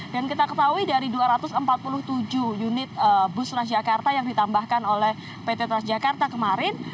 dan kita ketahui dari dua ratus empat puluh tujuh unit bus transjakarta yang ditambahkan oleh pt transjakarta kemarin